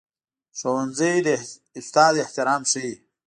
ښوونځی د استاد احترام ښيي